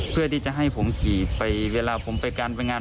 เพื่อที่จะให้ผมขี่ไปเวลาผมไปการไปงาน